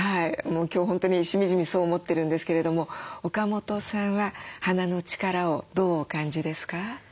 今日本当にしみじみそう思ってるんですけれども岡本さんは花の力をどうお感じですか？